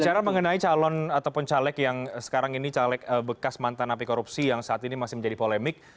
bicara mengenai calon ataupun caleg yang sekarang ini caleg bekas mantan api korupsi yang saat ini masih menjadi polemik